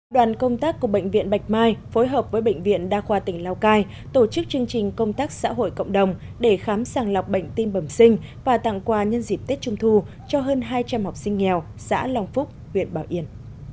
đoàn công tác của bệnh viện bạch mai phối hợp với bệnh viện đa khoa tỉnh lào cai tổ chức chương trình công tác xã hội cộng đồng để khám sàng lọc bệnh tim bẩm sinh và tặng quà nhân dịp tết trung thu cho hơn hai trăm linh học sinh nghèo xã long phúc huyện bảo yên